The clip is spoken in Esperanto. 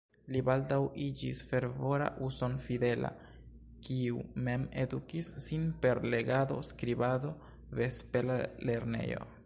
Li baldaŭ iĝis fervora uson-fidela, kiu mem edukis sin per legado, skribado, vespera lernejo.